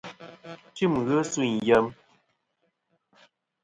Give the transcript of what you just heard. Tim ghi sûyn yem.